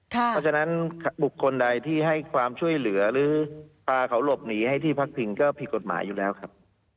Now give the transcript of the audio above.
เพราะฉะนั้นบุคคลใดที่ให้ความช่วยเหลือหรือพาเขาหลบหนีให้ที่พักพิงก็ผิดกฎหมายอยู่แล้วครับ